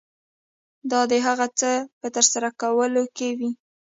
دا د هغه څه په ترسره کولو کې وي.